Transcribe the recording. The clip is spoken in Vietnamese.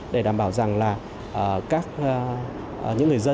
để đảm bảo rằng những người dân